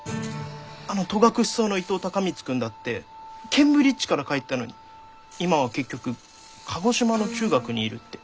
あの戸隠草の伊藤孝光君だってケンブリッジから帰ったのに今は結局鹿児島の中学にいるって。